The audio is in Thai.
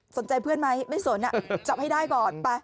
เพื่อนไหมไม่สนจับให้ได้ก่อนไป